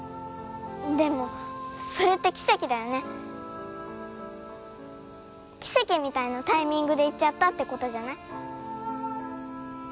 でもそれって奇跡だよね奇跡みたいなタイミングで逝っちゃったってことじゃない？